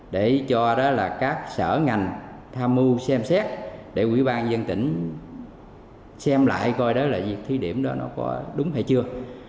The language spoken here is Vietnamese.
để cho các sở ngành tham mưu xem xét để ủy ban nhân dân tỉnh xem lại coi là thi điểm đó có đúng hay chưa